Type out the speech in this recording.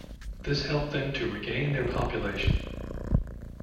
This helped them to regain their population.